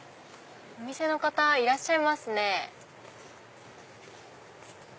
お店の方いらっしゃいますね。